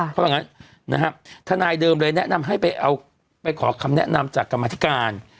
เพราะฉะนั้นทนายเดิมเลยแนะนำให้ไปขอคำแนะนำจากกรรมธิการ